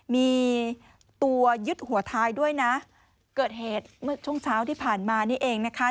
มีตัวยึดหัวท้ายด้วยนะเกิดเหตุเมื่อช่วงเช้าที่ผ่านมานี่เองนะคะ